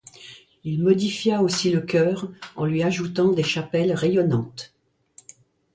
Il modifia aussi le chœur en lui ajoutant des chapelles rayonnantes.